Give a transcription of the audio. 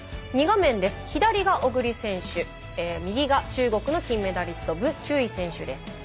２画面です、左が小栗選手右が中国の金メダリスト武中偉選手です。